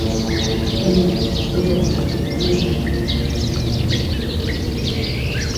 Hemen, zuretzat, noiznahi.